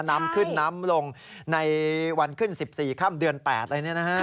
น้ำขึ้นน้ำลงในวันขึ้น๑๔ค่ะมันเดือน๘อันนี้นะฮะ